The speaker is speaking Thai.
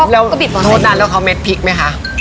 แล้วโทษนานแล้วเขาเม็ดพีคมั้ยคะ